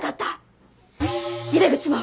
井出口も！